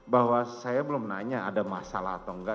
bahwa saya belum nanya ada masalah atau enggak